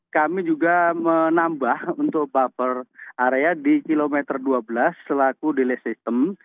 kami juga menambah untuk buper area di kilometer dua belas selaku delay system